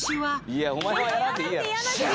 いやお前もやらんでいいやろ。